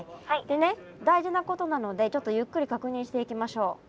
でね大事なことなのでちょっとゆっくり確認していきましょう。